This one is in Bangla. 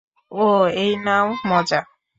ওহ, এই নাও মজা।